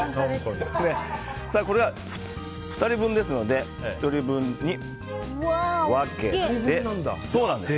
これで２人分ですので１人分に分けて。